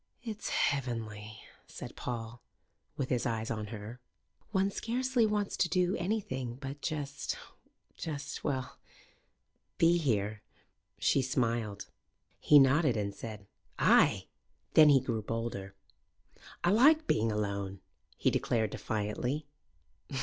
"It's heavenly," said Paul, with his eyes on her. "One scarcely wants to do anything but just just well, be here." She smiled. He nodded and said, "Ay!" Then he grew bolder. "I like being alone," he declared defiantly.